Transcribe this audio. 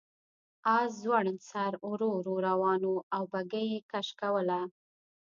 آس ځوړند سر ورو ورو روان و او بګۍ یې کش کوله.